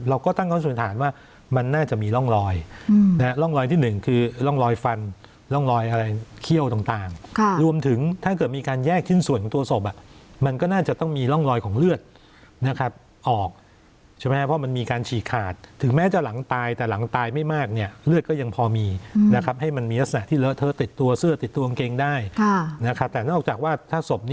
เราก็ตั้งความสูญฐานว่ามันน่าจะมีร่องลอยและร่องลอยที่หนึ่งคือร่องลอยฟันร่องลอยอะไรเขี้ยวต่างรวมถึงถ้าเกิดมีการแยกชิ้นส่วนของตัวศพอ่ะมันก็น่าจะต้องมีร่องลอยของเลือดนะครับออกใช่ไหมครับเพราะมันมีการฉีกขาดถึงแม้จะหลังตายแต่หลังตายไม่มากเนี่ยเลือดก็ยังพอมีนะครับให้มันมีลักษ